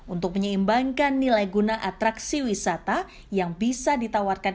untuk menyeimbangkan nilai guna atraksi wisata yang bisa ditawarkan